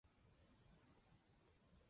本期刊的专业领域包含